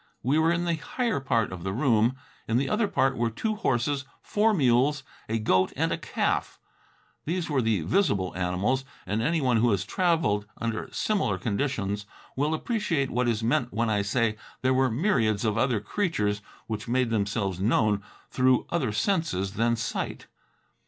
We were in the higher part of the room. In the other part were two horses, four mules, a goat and a calf. These were the visible animals, and anyone who has traveled under similar conditions will appreciate what is meant when I say there were myriads of other creatures which made themselves known through other senses than sight.